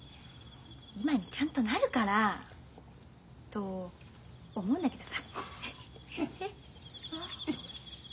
今にちゃんとなるから！と思うんだけどさ。